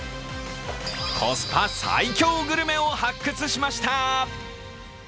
コスパ最強グルメを発掘しました。